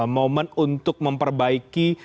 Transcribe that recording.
moment untuk memperbaiki